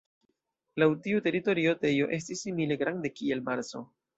Laŭ tiu teorio Tejo estis simile grande kiel Marso.